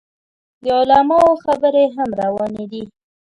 د علماو خبرې هم روانې دي.